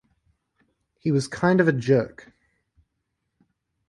He was kind of a jerk.